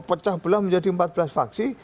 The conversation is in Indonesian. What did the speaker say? pecah belah menjadi empat belas faksi